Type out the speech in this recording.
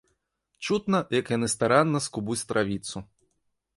Чутна, як яны старанна скубуць травіцу.